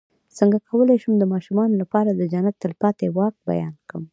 څنګه کولی شم د ماشومانو لپاره د جنت د تل پاتې واک بیان کړم